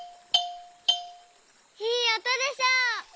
いいおとでしょ！